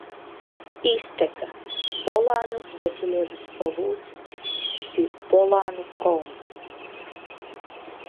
Izteka – Bolēnu Veselības avots pie Bolēnu kalna.